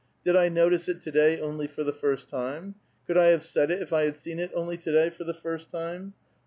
Did I notice it to day only for the first time? Could I have said it if I had seen it only to day for the first time